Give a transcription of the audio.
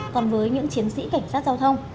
còn với những chiến sĩ cảnh sát giao thông